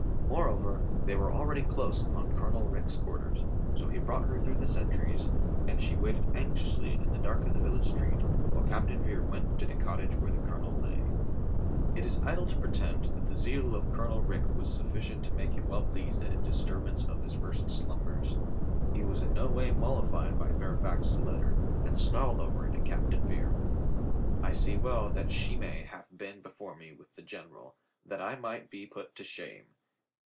More over, they were already close upon Colonel Rich's quarters. So he brought her through the sentries and she waited anxiously in the dark of the vil lage street while Captain Vere went to the cottage where the colonel lay. It is idle to pretend that the zeal of Colonel Rich COLONEL RICH IS INTERRUPTED 309 was sufficient to make him well pleased at a dis turbance of his first slumbers. He was in no way mollified by Fairfax's letter .and snarled over it at Captain Vere. "I see well that Shimei hath been before me with the general that I might be put to shame.